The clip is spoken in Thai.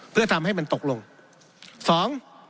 เพื่อทำให้มันตกลงสอง